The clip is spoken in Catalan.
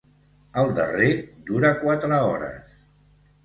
El darrer dura quatre hores.